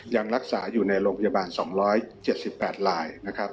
ยังรักษาอยู่ในโรงพยาบาล๒๗๘ลายนะครับ